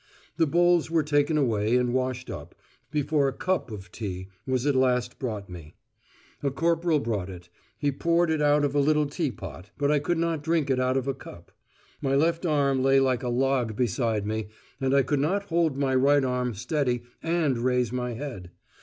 The bowls were taken away and washed up, before a cup of tea was at last brought me. A corporal brought it; he poured it out of a little teapot; but I could not drink it out of a cup. My left arm lay like a log beside me, and I could not hold my right arm steady and raise my head.